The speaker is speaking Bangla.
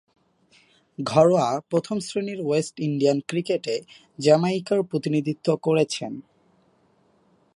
ঘরোয়া প্রথম-শ্রেণীর ওয়েস্ট ইন্ডিয়ান ক্রিকেটে জ্যামাইকার প্রতিনিধিত্ব করেছেন।